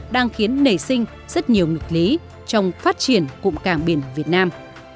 đang khiến nảy sinh rất nhiều nghịch lý trong phát triển cụm cảng biển việt nam